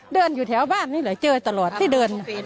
เดินอยู่แถวบ้านนี่แหละเจอตลอดที่เดิน